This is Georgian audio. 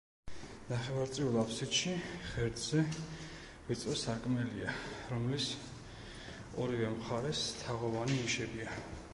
ნახევარწრიულ აფსიდში ღერძზე ვიწრო სარკმელია, რომლის ორივე მხარეს თაღოვანი ნიშებია.